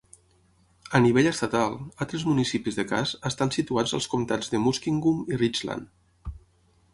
A nivell estatal, altres municipis de Cass estan situats als comtats de Muskingum i Richland.